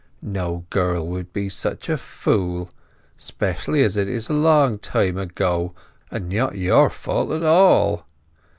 No girl would be such a Fool, specially as it is so long ago, and not your Fault at all.